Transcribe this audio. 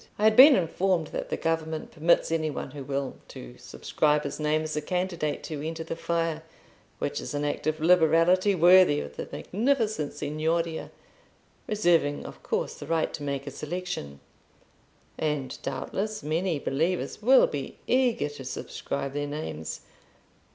I had been informed that the government permits any one who will, to subscribe his name as a candidate to enter the fire—which is an act of liberality worthy of the magnificent Signoria—reserving of course the right to make a selection. And doubtless many believers will be eager to subscribe their names.